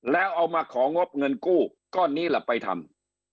แล้วเอามาของงบเงินกู้ก้อนนี้ล่ะไปทำ